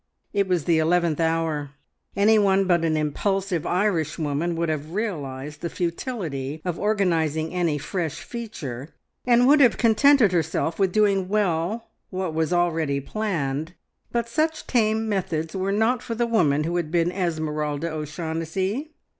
It was the eleventh hour; any one but an impulsive Irish woman would have realised the futility of organising any fresh feature, and would have contented herself with doing well what was already planned, but such tame methods were not for the woman who had been Esmeralda O'Shaughnessy.